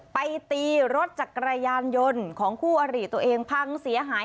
ไปตีรถจักรยานยนต์ของคู่อริตัวเองพังเสียหาย